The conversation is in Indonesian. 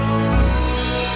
kamu jangan sedih ya ama